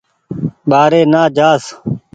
ٻآري نآ جآس